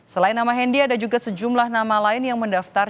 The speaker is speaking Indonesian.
selain nama hendy ada juga sejumlah nama lain yang mendaftar